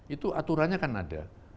itu aturannya kan ada